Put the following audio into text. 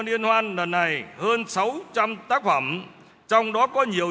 liên hoan lần này hơn sáu trăm linh tác phẩm trong đó có nhiều